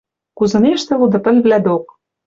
Кузынештӹ луды пӹлвлӓ док.